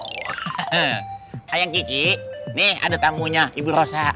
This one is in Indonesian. kayang kiki nih ada tamunya ibu rosa